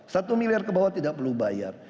satu miliar kebawah tidak perlu bayar